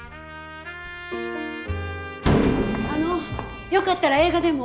あのよかったら映画でも。